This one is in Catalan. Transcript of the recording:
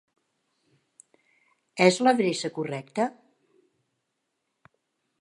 És l'adreça correcta?